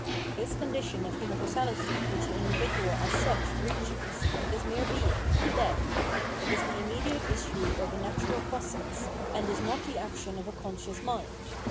This condition of universality, which the individual as such reaches, is mere being, death ; it is the immediate issue of a natural process, and is not the action of a conscious mind.